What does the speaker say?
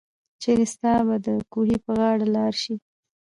چيري ستاه به دکوهي په غاړه لار شي